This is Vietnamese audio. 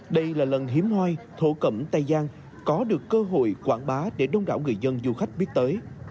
đây là lần hiếm hoi thổ cẩm tây giang có được cơ hội quảng bá để đông đảo người dân du khách biết tới